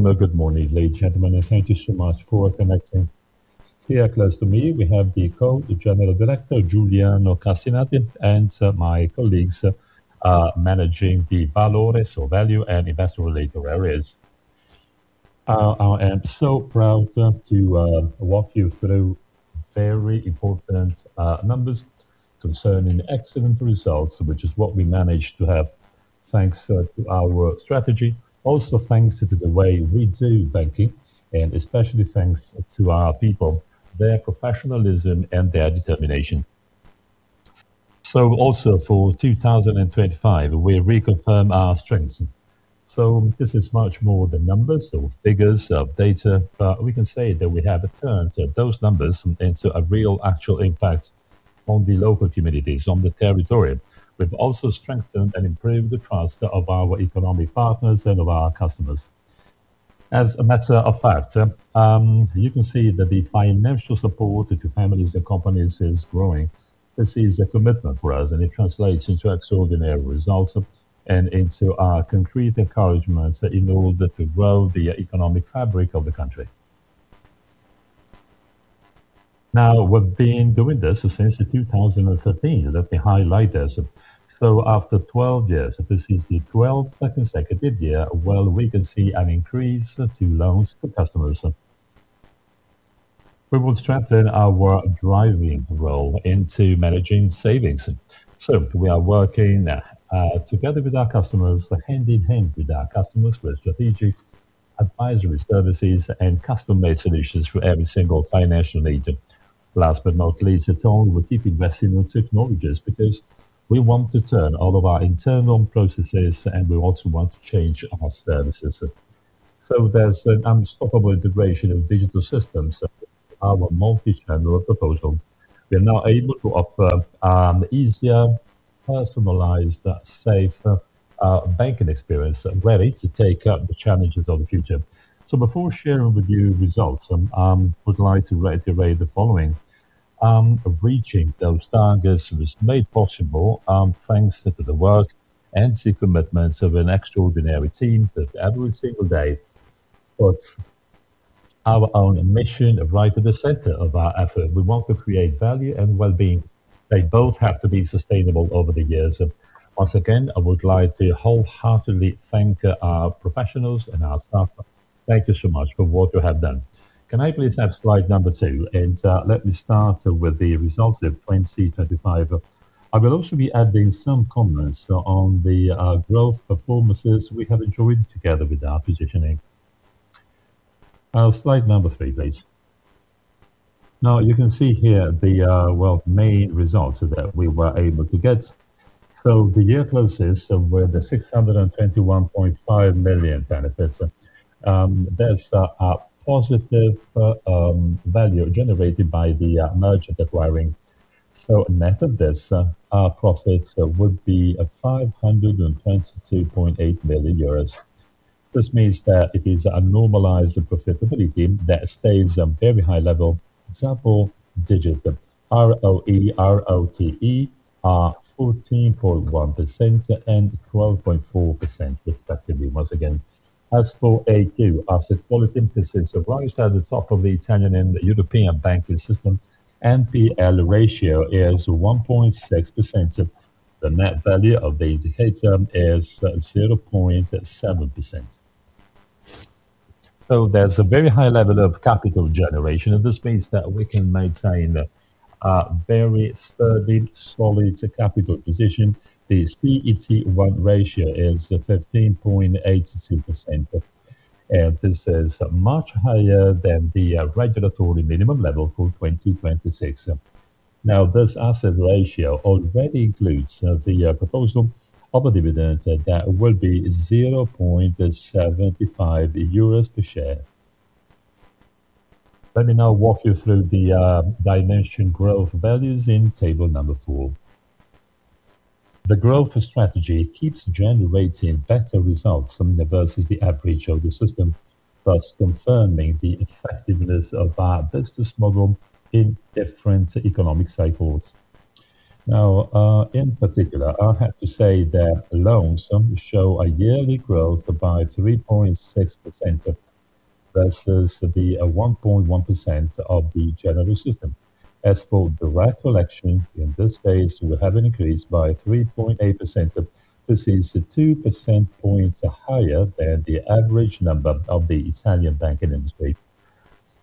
Good morning, ladies and gentlemen, and thank you so much for connecting. Here close to me we have the Co-General Manager, Giuliano Cassinadri, and my colleagues managing the valore, so value, and investor-related areas. I am so proud to walk you through very important numbers concerning excellent results, which is what we managed to have thanks to our strategy, also thanks to the way we do banking, and especially thanks to our people, their professionalism and their determination. So also for 2025, we reconfirm our strengths. So this is much more than numbers or figures of data, but we can say that we have turned those numbers into a real actual impact on the local communities, on the territory. We've also strengthened and improved the trust of our economic partners and of our customers. As a matter of fact, you can see that the financial support to families and companies is growing. This is a commitment for us, and it translates into extraordinary results and into our concrete encouragement in order to grow the economic fabric of the country. Now, we've been doing this since 2015, let me highlight this. So after 12 years, this is the 12th consecutive year where we can see an increase to loans to customers. We will strengthen our driving role into managing savings. So we are working together with our customers, hand in hand with our customers, with strategic advisory services and custom-made solutions for every single financial need. Last but not least at all, we keep investing in technologies because we want to turn all of our internal processes, and we also want to change our services. There's an unstoppable integration of digital systems with our multi-channel proposal. We are now able to offer an easier, personalized, safe banking experience, ready to take up the challenges of the future. Before sharing with you results, I would like to reiterate the following: reaching those targets was made possible thanks to the work and the commitments of an extraordinary team every single day. But our own mission is right at the center of our effort. We want to create value and well-being. They both have to be sustainable over the years. Once again, I would like to wholeheartedly thank our professionals and our staff. Thank you so much for what you have done. Can I please have slide number two? Let me start with the results of 2025. I will also be adding some comments on the growth performances we have enjoyed together with our positioning. Slide number three, please. Now, you can see here the main results that we were able to get. So the year closes with 621.5 million benefits. That's a positive value generated by the merchant acquiring. So net of this, our profits would be 522.8 million euros. This means that it is a normalized profitability that stays at a very high level. For example, the ROE, ROTE are 14.1% and 12.4% respectively. Once again, as for AQ, asset quality indicators have risen at the top of the Italian and European banking system. NPL ratio is 1.6%. The net value of the indicator is 0.7%. So there's a very high level of capital generation. This means that we can maintain a very steady, solid capital position. The CET1 ratio is 15.82%, and this is much higher than the regulatory minimum level for 2026. Now, this asset ratio already includes the proposal of a dividend that will be 0.75 euros per share. Let me now walk you through the dimension growth values in table number 4. The growth strategy keeps generating better results versus the average of the system, thus confirming the effectiveness of our business model in different economic cycles. Now, in particular, I have to say that loans show a yearly growth by 3.6% versus the 1.1% of the general system. As for direct collection, in this case, we have an increase by 3.8%. This is 2 percentage points higher than the average number of the Italian banking industry.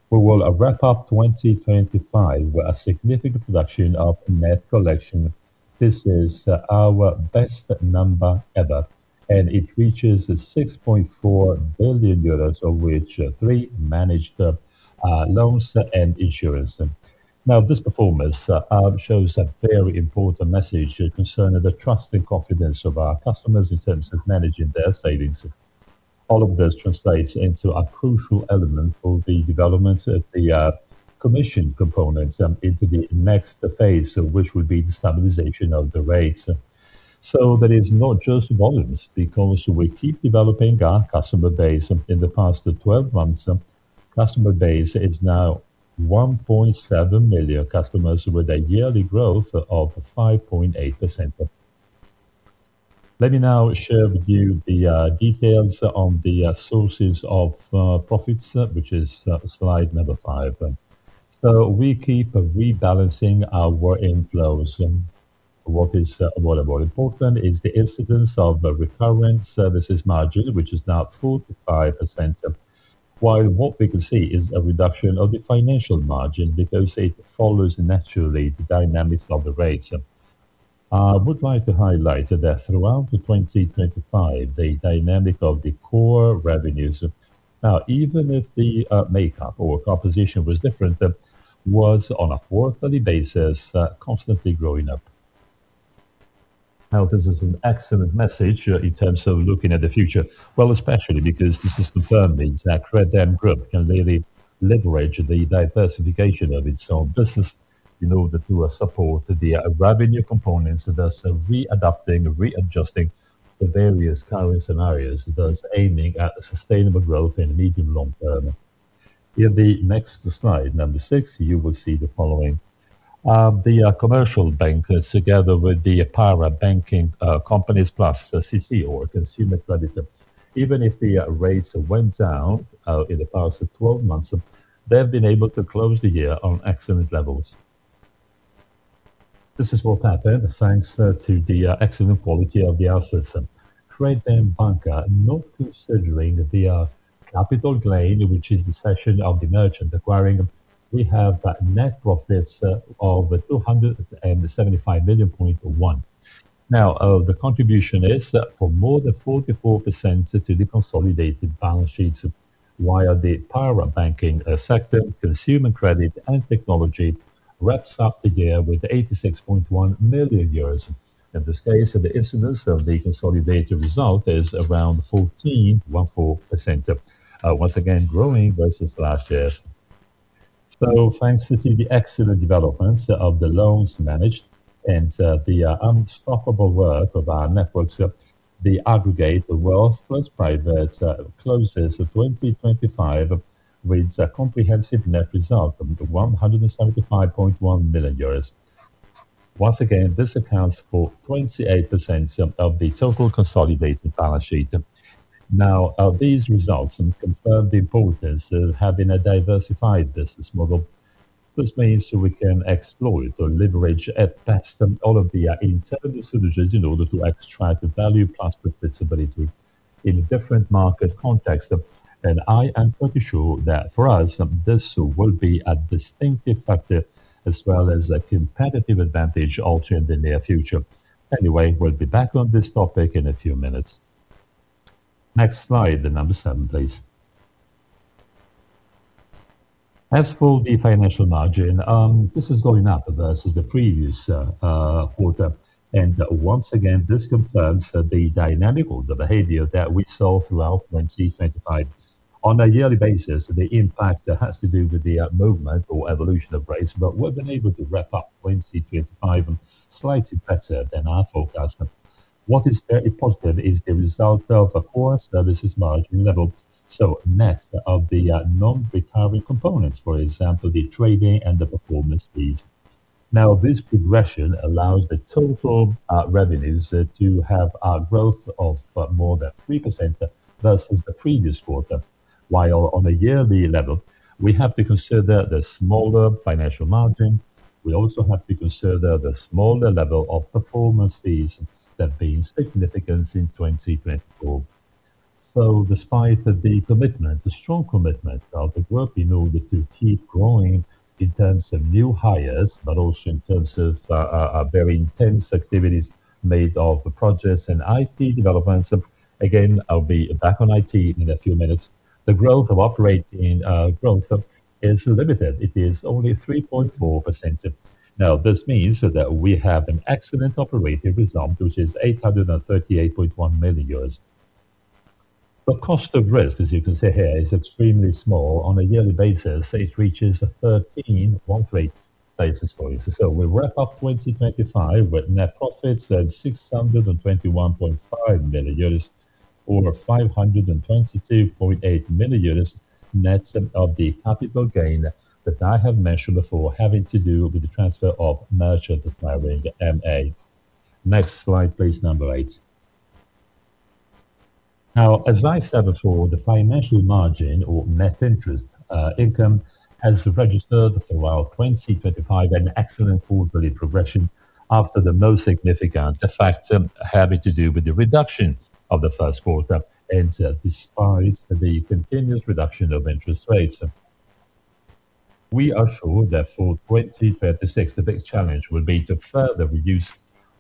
We will wrap up 2025 with a significant production of net collection. This is our best number ever, and it reaches 6.4 billion euros, of which 3 managed loans and insurance. Now, this performance shows a very important message concerning the trust and confidence of our customers in terms of managing their savings. All of this translates into a crucial element for the development of the commission components into the next phase, which would be the stabilization of the rates. So that is not just volumes because we keep developing our customer base. In the past 12 months, customer base is now 1.7 million customers with a yearly growth of 5.8%. Let me now share with you the details on the sources of profits, which is slide number five. So we keep rebalancing our inflows. What is more important is the incidence of recurrent services margin, which is now 45%, while what we can see is a reduction of the financial margin because it follows naturally the dynamics of the rates. I would like to highlight that throughout 2025, the dynamic of the core revenues, now, even if the makeup or composition was different, was on a quarterly basis, constantly growing up. Now, this is an excellent message in terms of looking at the future, well, especially because this has confirmed the Credem Group can really leverage the diversification of its own business in order to support the revenue components, thus readapting, readjusting to various current scenarios, thus aiming at sustainable growth in medium-long term. In the next slide, number six, you will see the following. The commercial bankers, together with the parabanking companies plus CC or consumer credit, even if the rates went down in the past 12 months, they have been able to close the year on excellent levels. This is what happened thanks to the excellent quality of the assets. Credem Banca not considering the capital gain, which is the cession of the merchant acquiring. We have net profits of 275.1 million. Now, the contribution is for more than 44% to the consolidated balance sheets, while the parabanking sector, consumer credit, and technology wraps up the year with 86.1 million euros. In this case, the incidence of the consolidated result is around 14.14%, once again growing versus last year. So thanks to the excellent developments of the loans managed and the unstoppable work of our networks, the aggregate wealth plus private closes 2025 with a comprehensive net result of 175.1 million euros. Once again, this accounts for 28% of the total consolidated balance sheet. Now, these results confirm the importance of having a diversified business model. This means we can exploit or leverage at best all of the internal synergies in order to extract value plus profitability in different market contexts. I am pretty sure that for us, this will be a distinctive factor as well as a competitive advantage also in the near future. Anyway, we'll be back on this topic in a few minutes. Next slide, seven, please. As for the financial margin, this is going up versus the previous quarter. Once again, this confirms the dynamical behavior that we saw throughout 2025. On a yearly basis, the impact has to do with the movement or evolution of rates, but we've been able to wrap up 2025 slightly better than our forecast. What is very positive is the result of a core services margin level, so net of the non-recurring components, for example, the trading and the performance fees. Now, this progression allows the total revenues to have a growth of more than 3% versus the previous quarter, while on a yearly level, we have to consider the smaller financial margin. We also have to consider the smaller level of performance fees that have been significant in 2024. So despite the commitment, the strong commitment of the group in order to keep growing in terms of new hires, but also in terms of very intense activities made of projects and IT developments, again, I'll be back on IT in a few minutes, the growth of operating growth is limited. It is only 3.4%. Now, this means that we have an excellent operating result, which is 838.1 million euros. The cost of risk, as you can see here, is extremely small. On a yearly basis, it reaches 13.13 basis points. So we wrap up 2025 with net profits at 621.5 million euros or 522.8 million euros net of the capital gain that I have mentioned before, having to do with the transfer of merchant acquiring MA. Next slide, please, number eight. Now, as I said before, the financial margin or net interest income has registered throughout 2025 an excellent quarterly progression after the most significant effect having to do with the reduction of the first quarter. And despite the continuous reduction of interest rates, we are sure that for 2036, the big challenge will be to further reduce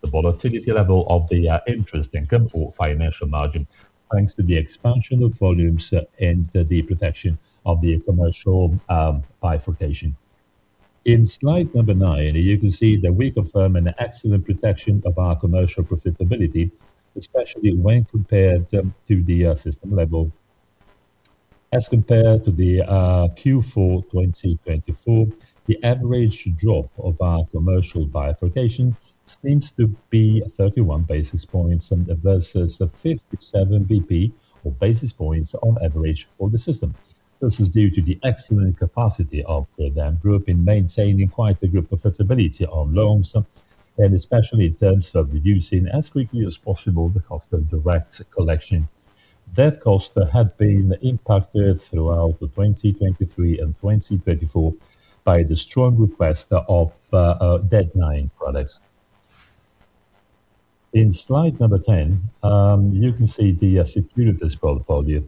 the volatility level of the interest income or financial margin thanks to the expansion of volumes and the protection of the commercial bifurcation. In slide number nine, you can see that we confirm an excellent protection of our commercial profitability, especially when compared to the system level. As compared to the Q4 2024, the average drop of our commercial bifurcation seems to be 31 basis points versus 57 basis points on average for the system. This is due to the excellent capacity of Credem Group in maintaining quite a good profitability on loans, and especially in terms of reducing as quickly as possible the cost of direct collection. That cost had been impacted throughout 2023 and 2024 by the strong request of deadline products. In slide number 10, you can see the securities portfolio.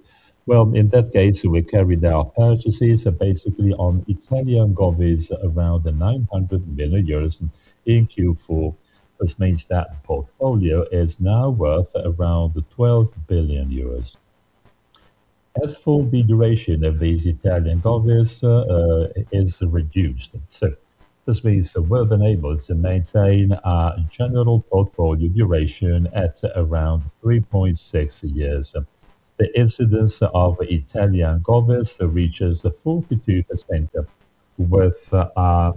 Well, in that case, we carried out purchases basically on Italian govies around 900 million euros in Q4. This means that the portfolio is now worth around 12 billion euros. As for the duration of these Italian govies is reduced. So this means we've been able to maintain our general portfolio duration at around 3.6 years. The incidence of Italian Govies reaches 42% with our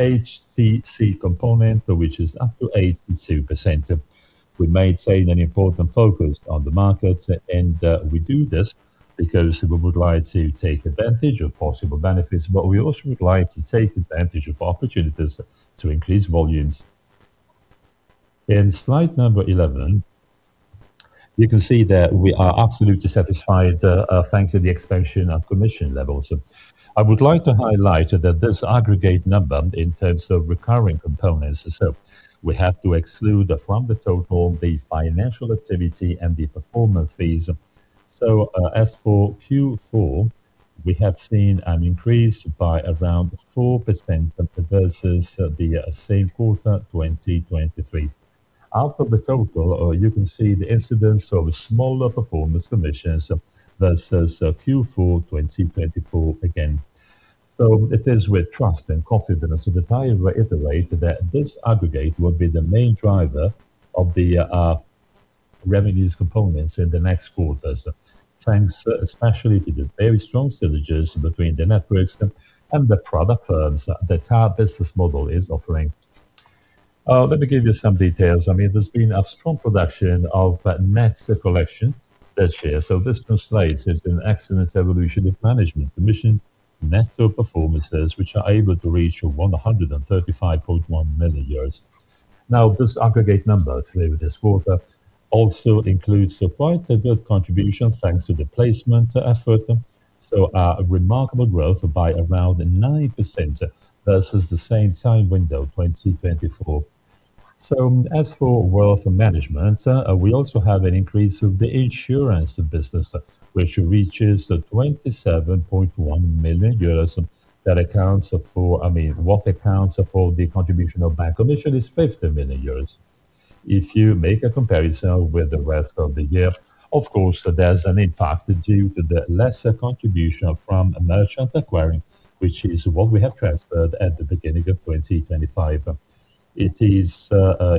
HTC component, which is up to 82%. We maintain an important focus on the market, and we do this because we would like to take advantage of possible benefits, but we also would like to take advantage of opportunities to increase volumes. In slide 11, you can see that we are absolutely satisfied thanks to the expansion of commission levels. I would like to highlight that this aggregate number in terms of recurring components. So we have to exclude from the total the financial activity and the performance fees. So as for Q4, we have seen an increase by around 4% versus the same quarter, 2023. Out of the total, you can see the incidence of smaller performance commissions versus Q4 2024 again. So it is with trust and confidence that I reiterate that this aggregate will be the main driver of the revenue components in the next quarters, thanks especially to the very strong synergies between the networks and the product firms that our business model is offering. Let me give you some details. I mean, there's been a strong production of net collection this year. So this translates into an excellent evolution of management commission, net performances, which are able to reach 135.1 million. Now, this aggregate number, Q3 of this quarter, also includes quite a good contribution thanks to the placement effort. So a remarkable growth by around 9% versus the same time window, 2024. So as for wealth management, we also have an increase of the insurance business, which reaches 27.1 million euros, that accounts for, I mean, what accounts for the contribution of bank commission is 50 million euros. If you make a comparison with the rest of the year, of course, there's an impact due to the lesser contribution from merchant acquiring, which is what we have transferred at the beginning of 2025. It is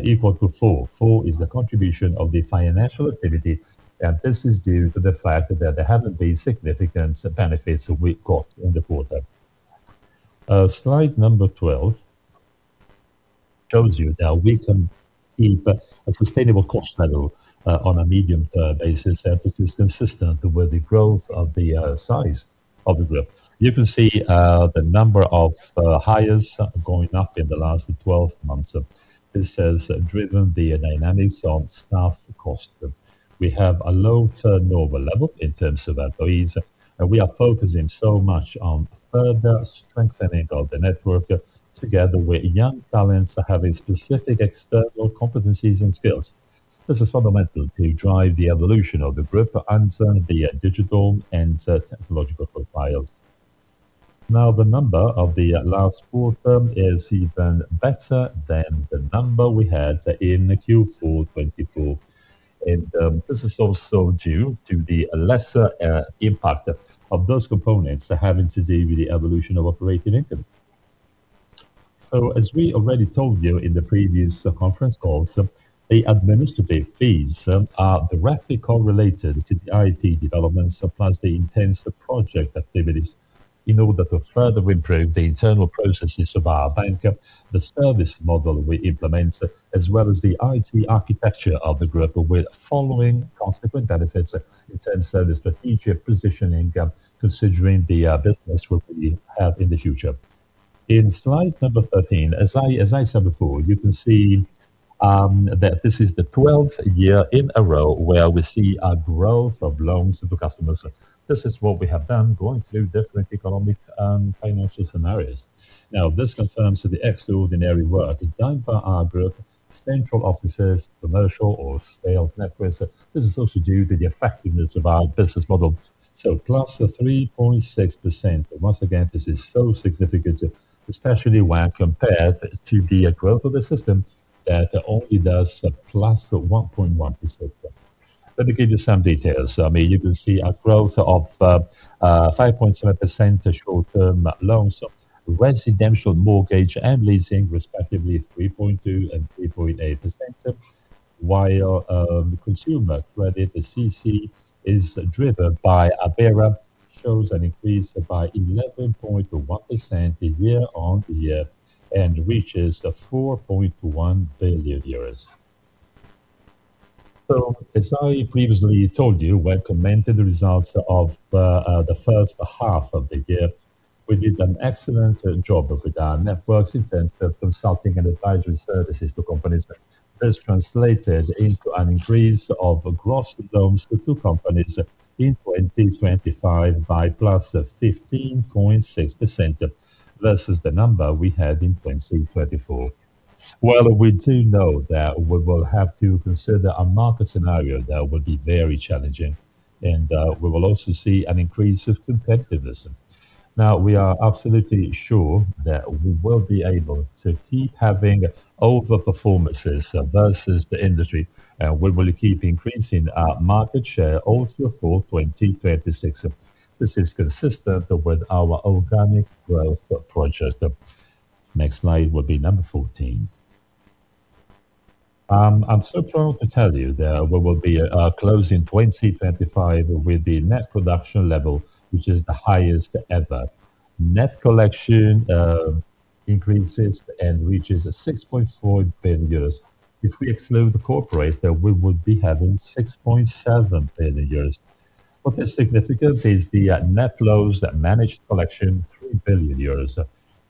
equal to 4 million. 4 million is the contribution of the financial activity, and this is due to the fact that there haven't been significant benefits we got in the quarter. Slide 12 shows you that we can keep a sustainable cost level on a medium-term basis, and this is consistent with the growth of the size of the group. You can see the number of hires going up in the last 12 months. This has driven the dynamics on staff costs. We have a low turnover level in terms of employees, and we are focusing so much on further strengthening of the network together with young talents having specific external competencies and skills. This is fundamental to drive the evolution of the group and the digital and technological profiles. Now, the number of the last quarter is even better than the number we had in Q4 2024. This is also due to the lesser impact of those components having to do with the evolution of operating income. As we already told you in the previous conference calls, the administrative fees are directly correlated to the IT developments plus the intense project activities. In order to further improve the internal processes of our bank, the service model we implement, as well as the IT architecture of the group, with following consequent benefits in terms of the strategic positioning considering the business we have in the future. In slide number 13, as I said before, you can see that this is the 12th year in a row where we see a growth of loans to customers. This is what we have done going through different economic and financial scenarios. Now, this confirms the extraordinary work done by our group, central offices, commercial or sales networks. This is also due to the effectiveness of our business model. So +3.6%. Once again, this is so significant, especially when compared to the growth of the system that only does +1.1%. Let me give you some details. I mean, you can see a growth of 5.7% short-term loans, residential mortgage and leasing, respectively 3.2% and 3.8%, while consumer credit, the CC, is driven by Avvera, shows an increase by 11.1% year-on-year and reaches EUR 4.1 billion. So as I previously told you, when commented the results of the first half of the year, we did an excellent job with our networks in terms of consulting and advisory services to companies. This translated into an increase of gross loans to two companies in 2025 by +15.6% versus the number we had in 2024. Well, we do know that we will have to consider a market scenario that will be very challenging, and we will also see an increase of competitiveness. Now, we are absolutely sure that we will be able to keep having overperformances versus the industry, and we will keep increasing our market share all through for 2026. This is consistent with our organic growth project. Next slide will be 14. I'm so proud to tell you that we will be closing 2025 with the net production level, which is the highest ever. Net collection increases and reaches 6.4 billion euros. If we exclude the corporate, we would be having 6.7 billion euros. What is significant is the net flows that manage collection, 3 billion euros.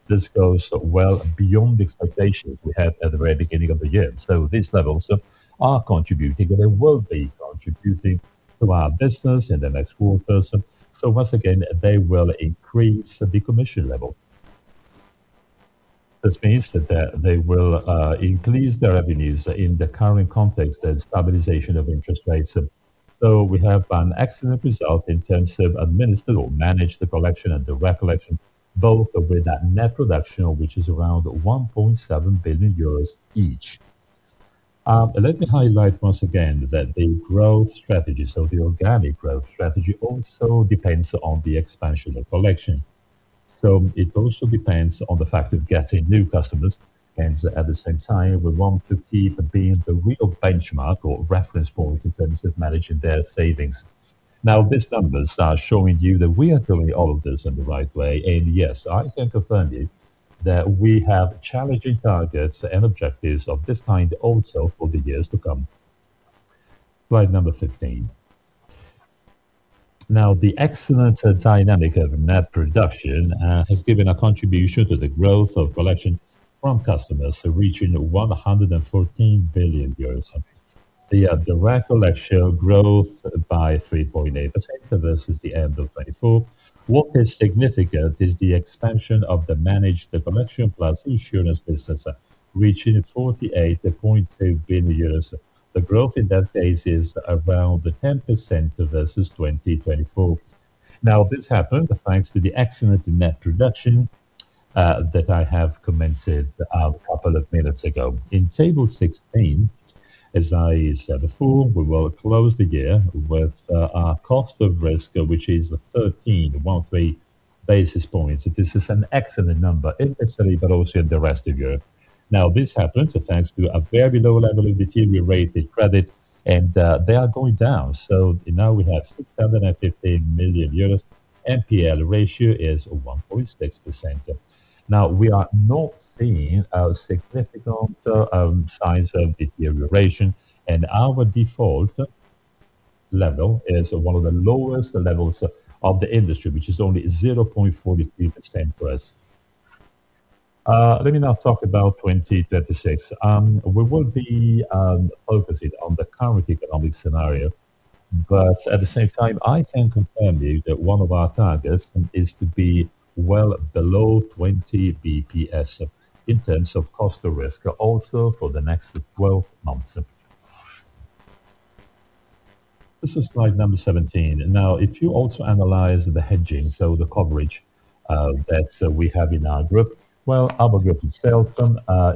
This goes well beyond the expectations we had at the very beginning of the year. So these levels are contributing, and they will be contributing to our business in the next quarters. So once again, they will increase the commission level. This means that they will increase their revenues in the current context and stabilization of interest rates. So we have an excellent result in terms of administer or manage the collection and direct collection, both with that net production, which is around 1.7 billion euros each. Let me highlight once again that the growth strategy, so the organic growth strategy, also depends on the expansion of collection. So it also depends on the fact of getting new customers. And at the same time, we want to keep being the real benchmark or reference point in terms of managing their savings. Now, these numbers are showing you that we are doing all of this in the right way. And yes, I can confirm you that we have challenging targets and objectives of this kind also for the years to come. Slide number 15. Now, the excellent dynamic of net production has given a contribution to the growth of collection from customers, reaching 114 billion euros. The direct collection growth by 3.8% versus the end of 2024. What is significant is the expansion of the managed collection plus insurance business, reaching 48.2 billion euros. The growth in that case is around 10% versus 2024. Now, this happened thanks to the excellent net production that I have commented a couple of minutes ago. In table 16, as I said before, we will close the year with our cost of risk, which is 13.13 basis points. This is an excellent number in Italy, but also in the rest of Europe. Now, this happened thanks to a very low level of deteriorated credit, and they are going down. So now we have 615 million euros. NPL ratio is 1.6%. Now, we are not seeing significant signs of deterioration, and our default level is one of the lowest levels of the industry, which is only 0.43% for us. Let me now talk about 2036. We will be focusing on the current economic scenario. But at the same time, I can confirm you that one of our targets is to be well below 20 bps in terms of cost of risk, also for the next 12 months. This is slide number 17. Now, if you also analyze the hedging, so the coverage that we have in our group, well, our group itself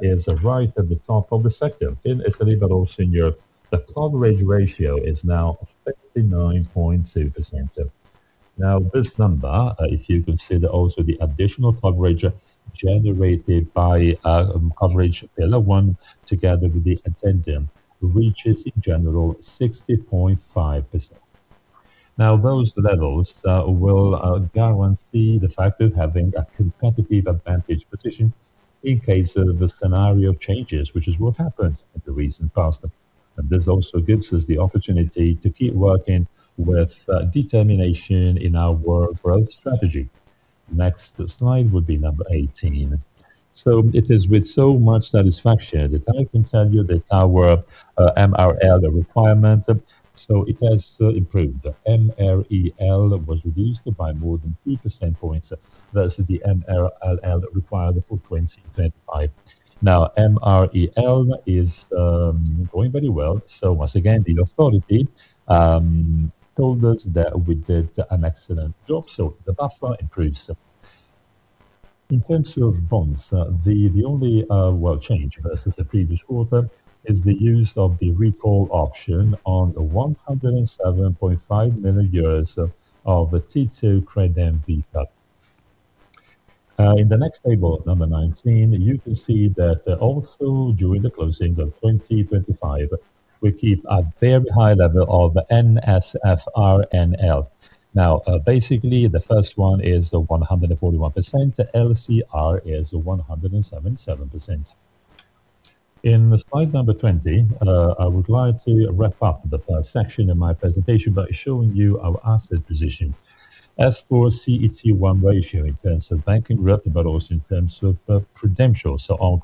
is right at the top of the sector in Italy, but also in Europe. The coverage ratio is now 59.2%. Now, this number, if you consider also the additional coverage generated by coverage pillar one together with the addendum, reaches in general 60.5%. Now, those levels will guarantee the fact of having a competitive advantage position in case the scenario changes, which is what happened in the recent past. This also gives us the opportunity to keep working with determination in our world growth strategy. Next slide would be 18. So it is with so much satisfaction that I can tell you that our MREL requirement, so it has improved. MREL was reduced by more than 3 percentage points versus the MREL required for 2025. Now, MREL is going very well. So once again, the authority told us that we did an excellent job. So the buffer improves. In terms of bonds, the only change versus the previous quarter is the use of the recall option on 107.5 million euros of T2 credit and VCAP. In the next table, number 19, you can see that also during the closing of 2025, we keep a very high level of NSFR. Now, basically, the first one is 141%. LCR is 177%. In slide number 20, I would like to wrap up the first section of my presentation by showing you our asset position. As for CET1 ratio in terms of banking group, but also in terms of Credemholding, so our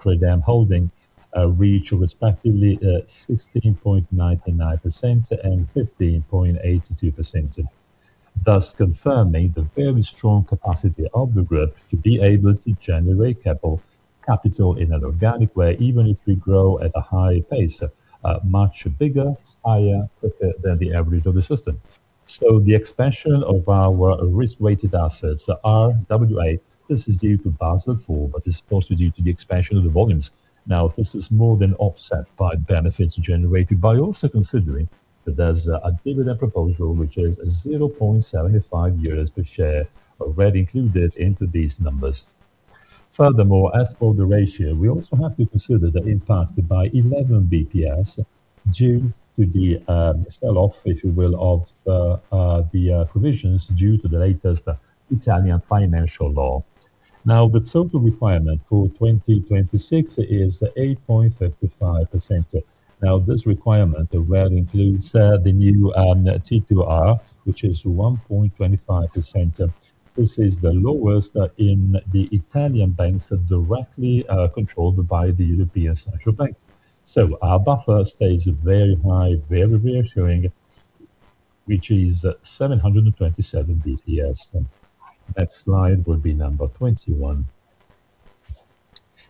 Credem and holding reach respectively 16.99% and 15.82%, thus confirming the very strong capacity of the group to be able to generate capital in an organic way, even if we grow at a high pace, much bigger, higher profit than the average of the system. So the expansion of our risk-weighted assets, RWA, this is due to Basel IV, but it's supposed to be due to the expansion of the volumes. Now, this is more than offset by benefits generated by also considering that there's a dividend proposal, which is 0.75 euros per share, already included into these numbers. Furthermore, as for the ratio, we also have to consider the impact by 11 BPS due to the sell-off, if you will, of the provisions due to the latest Italian financial law. Now, the total requirement for 2026 is 8.55%. Now, this requirement already includes the new T2R, which is 1.25%. This is the lowest in the Italian banks directly controlled by the European Central Bank. So our buffer stays very high, very reassuring, which is 727 BPS. Next slide would be 21.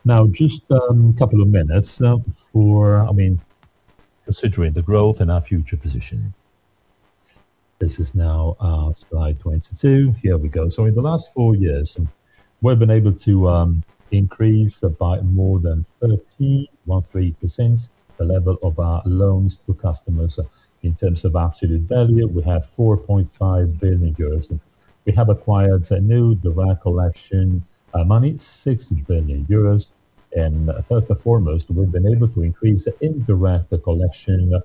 Now, just a couple of minutes for, I mean, considering the growth and our future positioning. This is now slide 22. Here we go. So in the last four years, we've been able to increase by more than 13.13% the level of our loans to customers. In terms of absolute value, we have 4.5 billion euros. We have acquired new direct collection money, 6 billion euros. And first and foremost, we've been able to increase indirect collection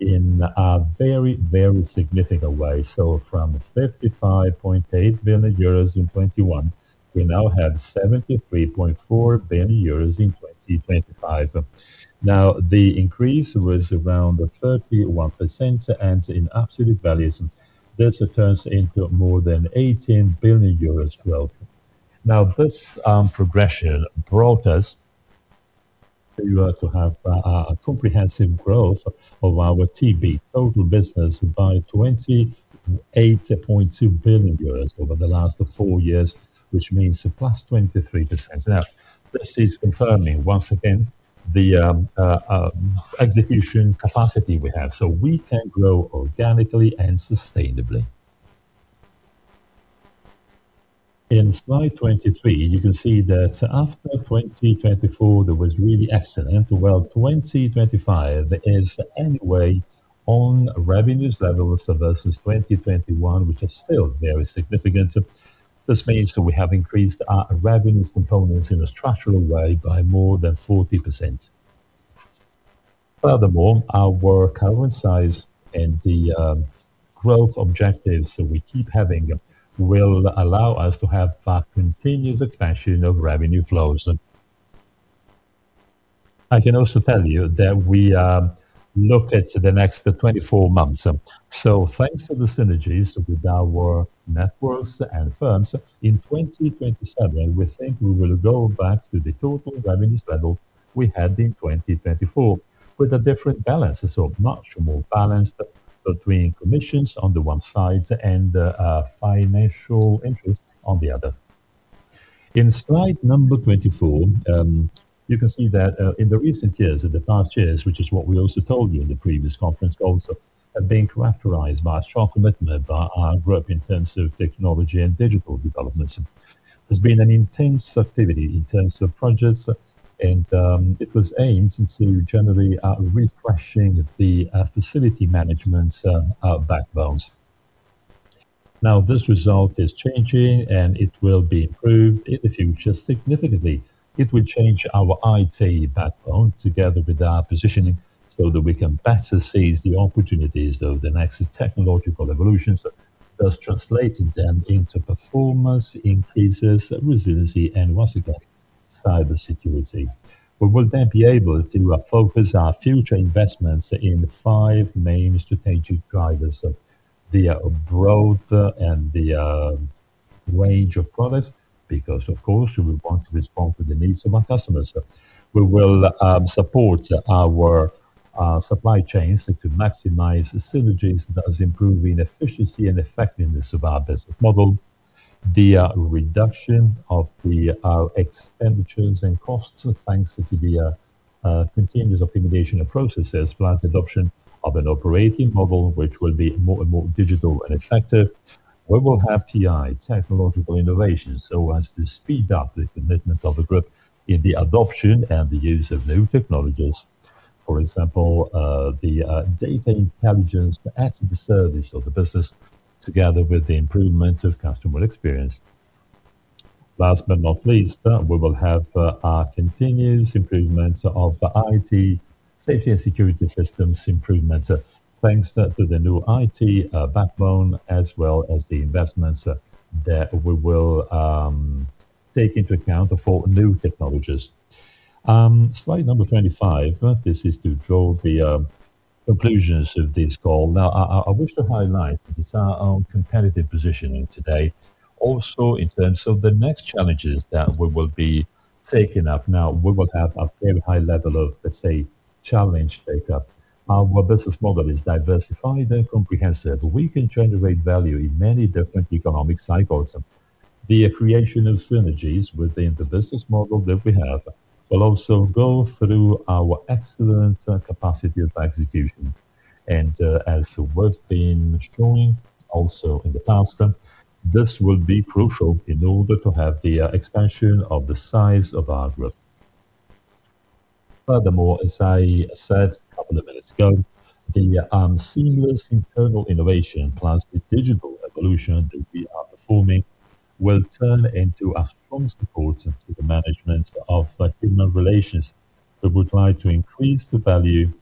in a very, very significant way. So from 55.8 billion euros in 2021, we now have 73.4 billion euros in 2025. Now, the increase was around 31%, and in absolute values, this turns into more than 18 billion euros growth. Now, this progression brought us to have a comprehensive growth of our TB, total business, by 28.2 billion euros over the last four years, which means plus 23%. Now, this is confirming, once again, the execution capacity we have. So we can grow organically and sustainably. In slide 23, you can see that after 2024, there was really excellent. Well, 2025 is anyway on revenues levels versus 2021, which is still very significant. This means that we have increased our revenues components in a structural way by more than 40%. Furthermore, our current size and the growth objectives that we keep having will allow us to have continuous expansion of revenue flows. I can also tell you that we look at the next 24 months. So thanks to the synergies with our networks and firms, in 2027, we think we will go back to the total revenues level we had in 2024 with a different balance, so much more balanced between commissions on the one side and financial interests on the other. In slide number 24, you can see that in the recent years, in the past years, which is what we also told you in the previous conference also, have been characterized by a strong commitment by our group in terms of technology and digital developments. There's been an intense activity in terms of projects, and it was aimed to generally refresh the facility management's backbones. Now, this result is changing, and it will be improved in the future significantly. It will change our IT backbone together with our positioning so that we can better seize the opportunities of the next technological evolutions, thus translating them into performance increases, resiliency, and once again, cybersecurity. We will then be able to focus our future investments in five main strategic drivers: the growth and the range of products because, of course, we want to respond to the needs of our customers. We will support our supply chains to maximize synergies, thus improving efficiency and effectiveness of our business model, the reduction of the expenditures and costs thanks to the continuous optimization of processes, plus adoption of an operating model which will be more and more digital and effective. We will have TI, technological innovations, so as to speed up the commitment of the group in the adoption and the use of new technologies. For example, the data intelligence at the service of the business together with the improvement of customer experience. Last but not least, we will have our continuous improvements of IT, safety and security systems improvements thanks to the new IT backbone as well as the investments that we will take into account for new technologies. Slide number 25, this is to draw the conclusions of this call. Now, I wish to highlight our own competitive positioning today, also in terms of the next challenges that we will be taking up. Now, we will have a very high level of, let's say, challenge takeup. Our business model is diversified and comprehensive. We can generate value in many different economic cycles. The creation of synergies within the business model that we have will also go through our excellent capacity of execution. As we've been showing also in the past, this will be crucial in order to have the expansion of the size of our group. Furthermore, as I said a couple of minutes ago, the seamless internal innovation plus the digital evolution that we are performing will turn into a strong support to the management of human relations. We would like to increase the value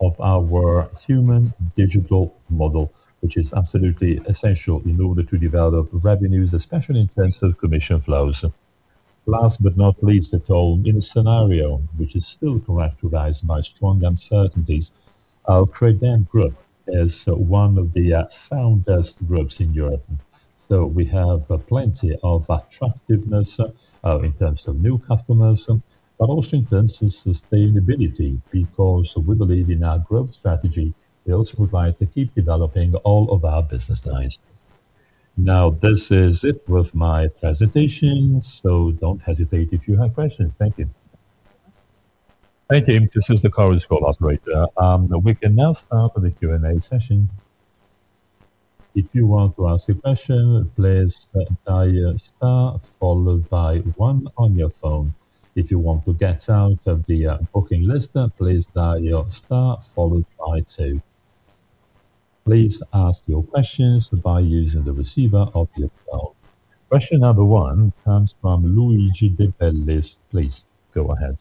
of our human digital model, which is absolutely essential in order to develop revenues, especially in terms of commission flows. Last but not least at all, in a scenario which is still characterized by strong uncertainties, our Credem Group is one of the soundest groups in Europe. So we have plenty of attractiveness in terms of new customers, but also in terms of sustainability because we believe in our growth strategy. We also would like to keep developing all of our business lines. Now, this is it with my presentation. So don't hesitate if you have questions. Thank you. Thank you. This is the conference call operator. We can now start the Q&A session. If you want to ask a question, please dial star followed by one on your phone. If you want to get out of the booking list, please dial star followed by two. Please ask your questions by using the receiver of your phone. Question number one comes from Luigi De Bellis. Please go ahead.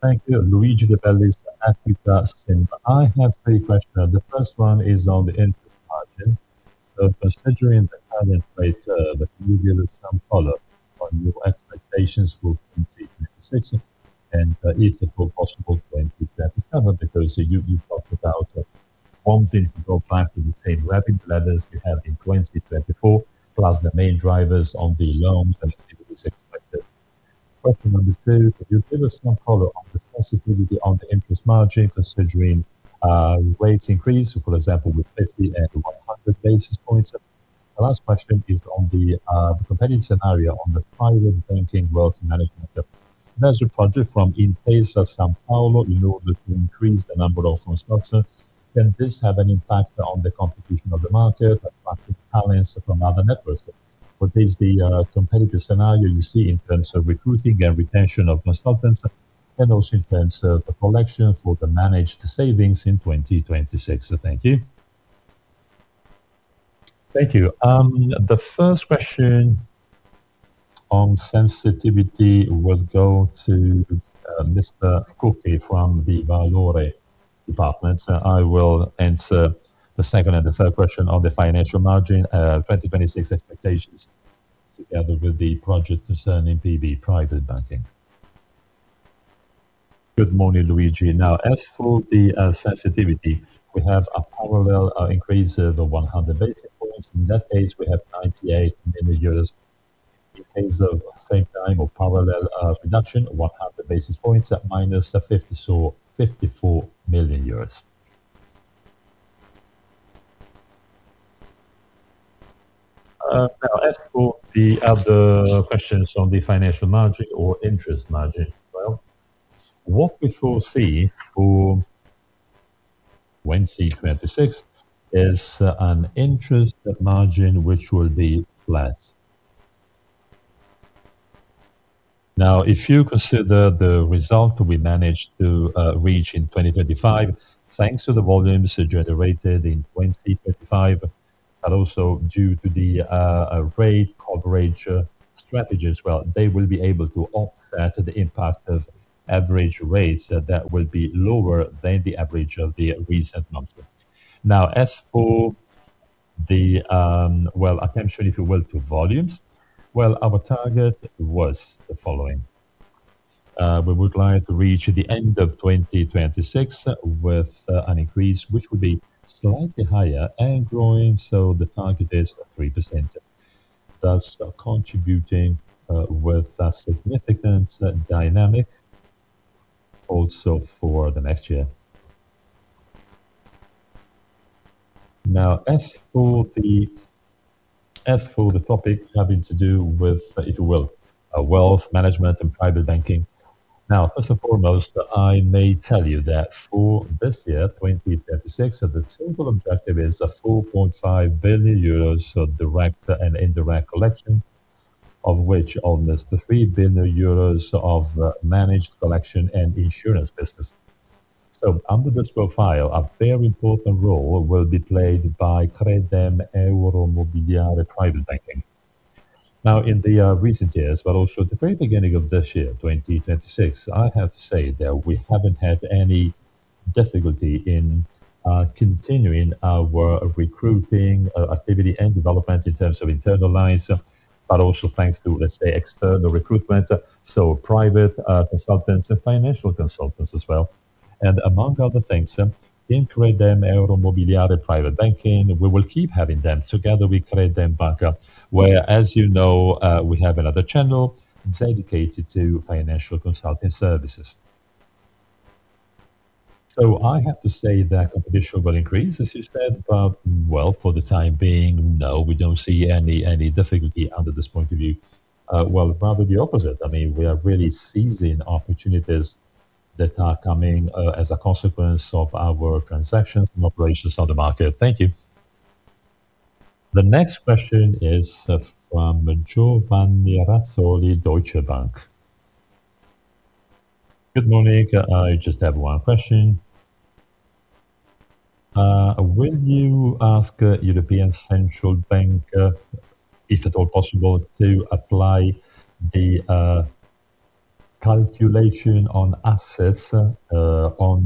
Thank you, Luigi De Bellis. I have three questions. The first one is on the interest margin. So considering the current rate curve, can you give us some color on your expectations for 2026 and if it will be possible 2027 because you talked about wanting to go back to the same levels you had in 2024 plus the main drivers on the loans and activities expected? Question number two, can you give us some color on the sensitivity on the interest margin considering rates increase, for example, with 50 and 100 basis points? The last question is on the competitive scenario on the private banking wealth management. There's a project from Intesa Sanpaolo in order to increase the number of consultants. Can this have an impact on the competition of the market, attracting talents from other networks? What is the competitive scenario you see in terms of recruiting and retention of consultants and also in terms of the collection for the managed savings in 2026? Thank you. Thank you. The first question on sensitivity will go to Mr. Cucchi from the Valore department. I will answer the second and the third question on the financial margin, 2026 expectations, together with the project concerning PB private banking. Good morning, Luigi. Now, as for the sensitivity, we have a parallel increase of 100 basis points. In that case, we have 98 million. In case of same time or parallel reduction, 100 basis points minus EUR 54 million. Now, as for the other questions on the financial margin or interest margin as well, what we foresee for 2026 is an interest margin which will be flat. Now, if you consider the result we managed to reach in 2025, thanks to the volumes generated in 2025 and also due to the rate coverage strategies, well, they will be able to offset the impact of average rates that will be lower than the average of the recent months. Now, as for the, well, attention, if you will, to volumes, well, our target was the following. We would like to reach the end of 2026 with an increase which would be slightly higher and growing. So the target is 3%, thus contributing with significant dynamic also for the next year. Now, as for the topic having to do with, if you will, wealth management and private banking. Now, first and foremost, I may tell you that for this year, 2026, the total objective is 4.5 billion euros direct and indirect collection, of which almost 3 billion euros of managed collection and insurance business. So under this profile, a very important role will be played by Credem Euromobiliare Private Banking. Now, in the recent years, but also at the very beginning of this year, 2026, I have to say that we haven't had any difficulty in continuing our recruiting activity and development in terms of internal lines, but also thanks to, let's say, external recruitment, so private consultants and financial consultants as well. And among other things, in Credem Euromobiliare Private Banking, we will keep having them. Together, we Credem Banca where, as you know, we have another channel dedicated to financial consulting services. So I have to say that competition will increase, as you said, but well, for the time being, no, we don't see any difficulty under this point of view. Well, rather the opposite. I mean, we are really seizing opportunities that are coming as a consequence of our transactions and operations on the market. Thank you. The next question is from Giovanni Razzoli, Deutsche Bank. Good morning. I just have one question. Will you ask European Central Bank, if at all possible, to apply the calculation on assets on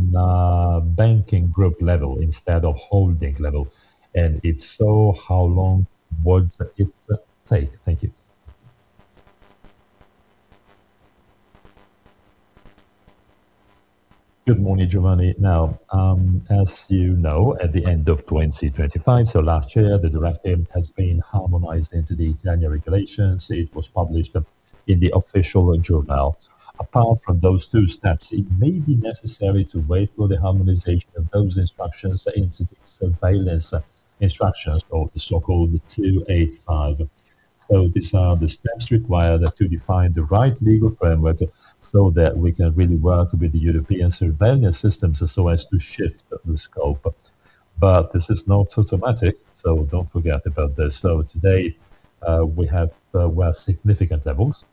banking group level instead of holding level? And if so, how long would it take? Thank you. Good morning, Giovanni. Now, as you know, at the end of 2025, so last year, the directive has been harmonized into the Italian regulations. It was published in the official journal. Apart from those two steps, it may be necessary to wait for the harmonization of those instructions, entity surveillance instructions, or the so-called 285. So these are the steps required to define the right legal framework so that we can really work with the European surveillance systems so as to shift the scope. But this is not automatic, so don't forget about this. So today, we have significant levels.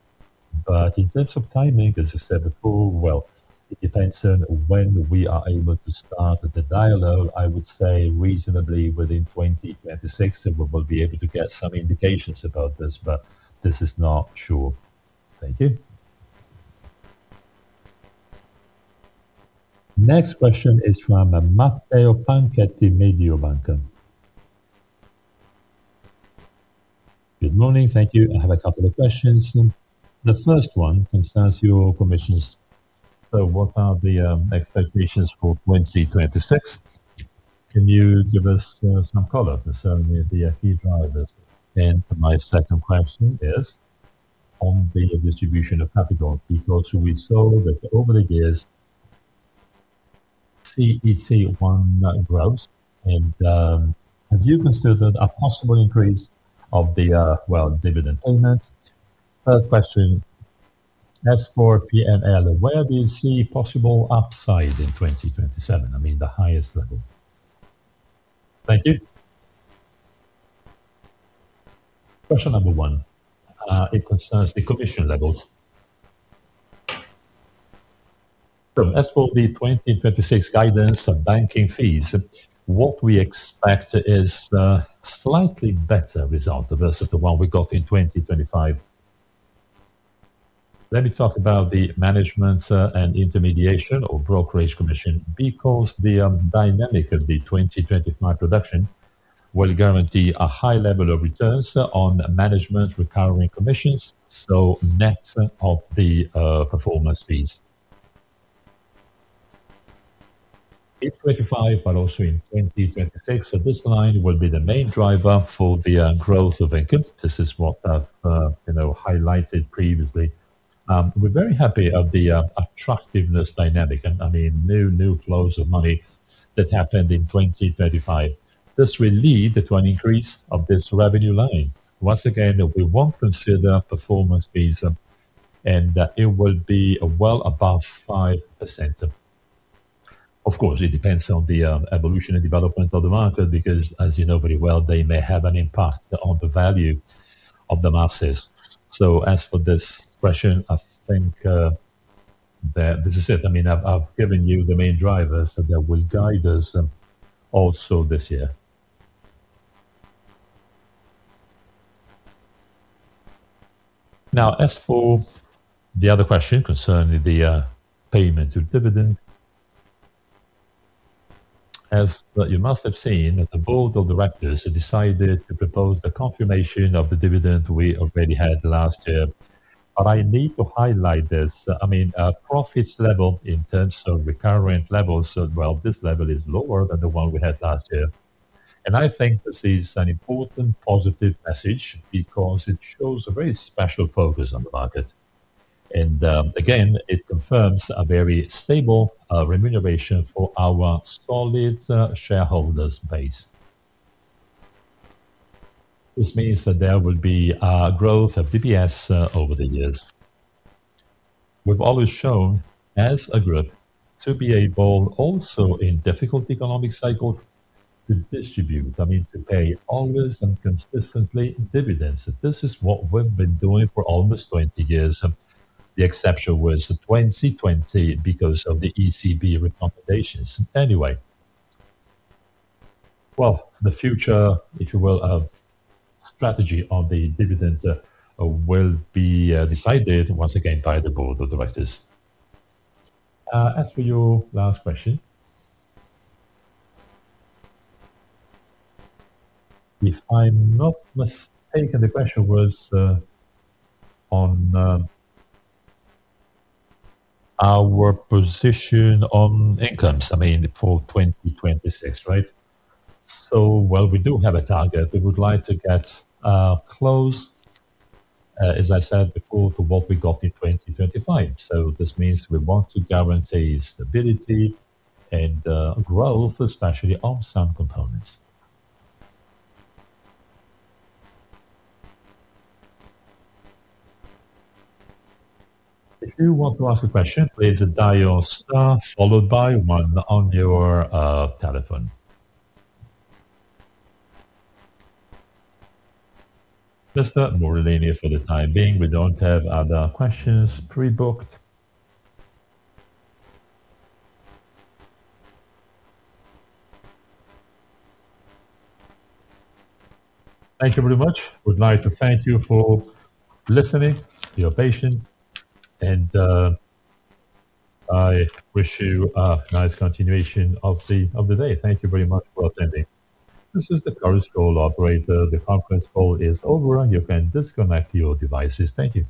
But in terms of timing, as you said before, well, it depends on when we are able to start the dialogue. I would say reasonably within 2026, we will be able to get some indications about this, but this is not sure. Thank you. Next question is from Matteo Panchetti, Mediobanca. Good morning. Thank you. I have a couple of questions. The first one concerns your commissions. So what are the expectations for 2026? Can you give us some color concerning the key drivers? My second question is on the distribution of capital because we saw that over the years, CET1 grows. Have you considered a possible increase of the dividend payments? Third question, as for NPL, where do you see possible upside in 2027? I mean, the highest level. Thank you. Question number one, it concerns the commission levels. So as for the 2026 guidance on banking fees, what we expect is a slightly better result versus the one we got in 2025. Let me talk about the management and intermediation or brokerage commission because the dynamic of the 2025 production will guarantee a high level of returns on management recovering commissions, so net of the performance fees. In 2025, but also in 2026, this line will be the main driver for the growth of income. This is what I've highlighted previously. We're very happy of the attractiveness dynamic and, I mean, new flows of money that happened in 2025. This will lead to an increase of this revenue line. Once again, we won't consider performance fees, and it will be well above 5%. Of course, it depends on the evolution and development of the market because, as you know very well, they may have an impact on the value of the masses. So as for this question, I think that this is it. I mean, I've given you the main drivers that will guide us also this year. Now, as for the other question concerning the payment to dividend, as you must have seen, the board of directors decided to propose the confirmation of the dividend we already had last year. But I need to highlight this. I mean, profits level in terms of recurrent levels, well, this level is lower than the one we had last year. I think this is an important positive message because it shows a very special focus on the market. Again, it confirms a very stable remuneration for our solid shareholders base. This means that there will be growth of DPS over the years. We've always shown as a group to be able, also in difficult economic cycles, to distribute, I mean, to pay always and consistently dividends. This is what we've been doing for almost 20 years. The exception was 2020 because of the ECB recommendations. Anyway, well, the future, if you will, strategy on the dividend will be decided once again by the board of directors. As for your last question, if I'm not mistaken, the question was on our position on incomes, I mean, for 2026, right? So, well, we do have a target. We would like to get close, as I said before, to what we got in 2025. So this means we want to guarantee stability and growth, especially on some components. If you want to ask a question, please dial star followed by one on your telephone. Mr. Morellini, for the time being, we don't have other questions pre-booked. Thank you very much. Would like to thank you for listening, your patience. And I wish you a nice continuation of the day. Thank you very much for attending. This is the current call operator. The conference call is over. You can disconnect your devices. Thank you.